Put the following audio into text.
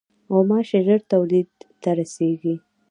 غوماشې ژر تولید ته رسېږي.